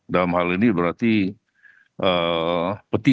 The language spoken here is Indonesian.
dalam hal ini berarti petitum dari permohonan